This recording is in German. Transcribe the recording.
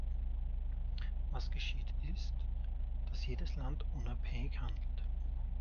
Was geschieht ist, dass jedes Land unabhängig handelt.